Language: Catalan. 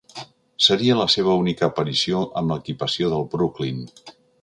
Seria la seva única aparició amb l'equipació del Brooklyn.